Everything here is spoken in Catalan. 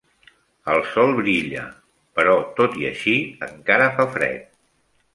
El sol brilla, però tot i així, encara fa fred.